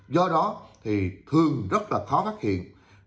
do đó thì thường rất là khó phát hiện